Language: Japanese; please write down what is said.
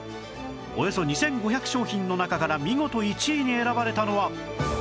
およそ２５００商品の中から見事１位に選ばれたのは